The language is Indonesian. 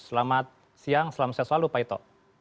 selamat siang selamat siang selalu pak ito